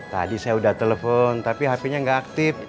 tadi saya udah telepon tapi hp nya nggak aktif